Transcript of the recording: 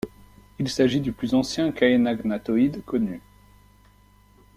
Il s'agit du plus ancien caenagnathoide connu.